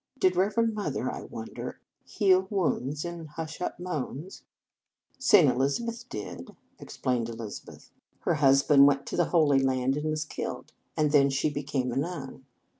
Did Reverend Mother, I wonder, heal wounds and hush up moans ?"" St. Elizabeth did," explained Eliza beth. " Her husband went to the Holy 204 Reverend Mother s Feast Land, and was killed, and then she became a nun.